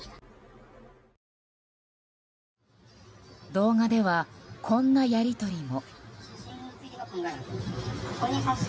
動画では、こんなやり取りも。